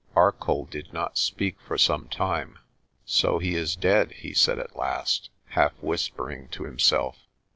Arcoll did not speak for some time. "So he is dead," he said at last, half whispering to him self.